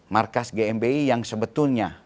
markas gmbi yang sebetulnya